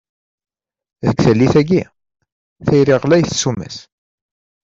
Deg tallit-agi, tayri ɣlayet ssuma-s!